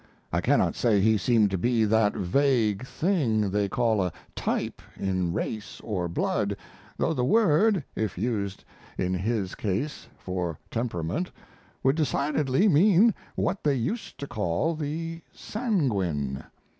I cannot say he seemed to be that vague thing they call a type in race or blood, though the word, if used in his case for temperament, would decidedly mean what they used to call the "sanguine."